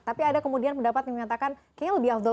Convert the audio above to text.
tapi ada kemudian pendapat yang menyatakan kayaknya lebih afdal